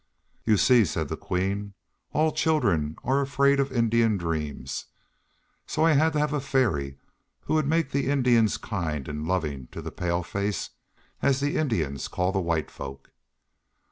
"You see," said the Queen, "all children are afraid of Indian dreams, so I had to have a Fairy who would make the Indians kind and loving to the 'Pale Face,' as the Indians call the white folk.